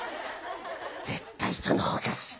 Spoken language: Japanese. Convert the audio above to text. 絶対その方がいい。